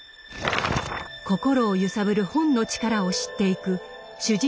心を揺さぶる本の力を知っていく主人公